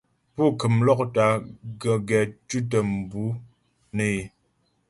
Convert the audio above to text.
Pú kəm lɔ́kta gəgɛ tʉ̌tə mbʉ̌ nə́ é.